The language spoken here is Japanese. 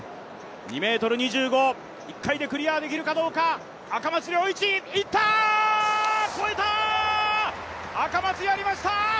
２ｍ２５、１回でクリアできるかどうか、越えた、赤松、やりました！